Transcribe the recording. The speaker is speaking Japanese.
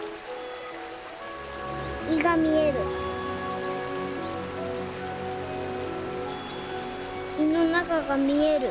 胃の中が見える。